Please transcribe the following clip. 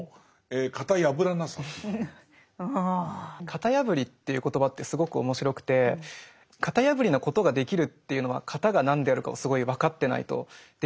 型破りっていう言葉ってすごく面白くて型破りなことができるっていうのは型が何であるかをすごい分かってないとできないように思うんですよね。